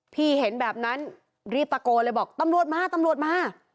พี่เห็นแบบนั้นรีบตะโกนเลยบอกตำรวจมาตำรวจมา